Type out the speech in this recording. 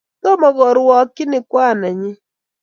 Tomo korwokchini kwaan nenyi